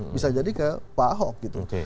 bisa jadi ke pak ahok gitu